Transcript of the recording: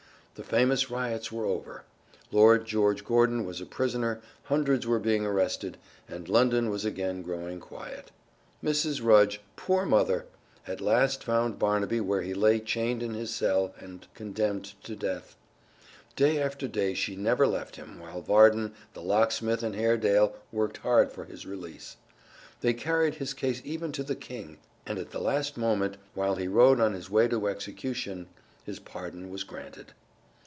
The famous riots were over. Lord George Gordon was a prisoner, hundreds were being arrested, and London was again growing quiet. Mrs. Rudge, poor mother! at last found Barnaby where he lay chained in his cell and condemned to death. Day after day she never left him, while Varden, the locksmith, and Haredale worked hard for his release. They carried his case even to the King, and at the last moment, while he rode on his way to execution, his pardon was granted.